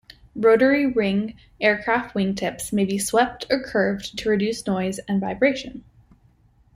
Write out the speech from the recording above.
Rotary wing aircraft wingtips may be swept or curved to reduce noise and vibration.